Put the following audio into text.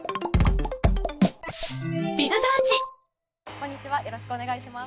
こんにちはよろしくお願いします。